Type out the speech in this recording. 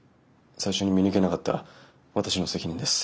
最初に見抜けなかった私の責任です。